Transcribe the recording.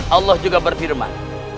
allah juga berfirman